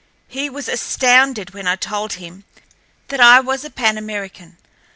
He was astounded when I told him that I was a Pan American.